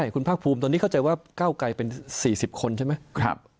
คุณภาคภูมิตอนนี้เข้าใจว่าก้าวไกลเป็น๔๐คนใช่ไหม